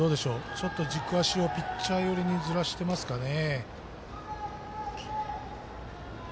ちょっと軸足をピッチャー寄りにずらしてますかね。